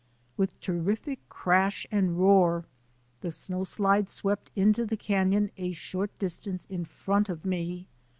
With terrific crash and roar the snowslide swept into the canon a short distance in front of me.